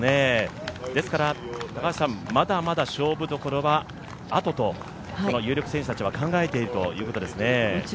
ですからまだまだ勝負どころは後と有力選手たちは考えているということですね。